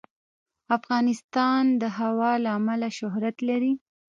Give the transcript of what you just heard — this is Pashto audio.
افغانستان د هوا له امله شهرت لري.